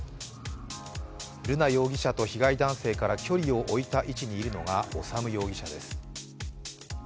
瑠奈容疑者と被害男性から距離を置いた位置にいるのが修容疑者です。